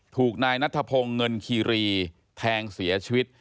ถูกนายนัทพงศ์เงินคีรีแทงเสียชีวิต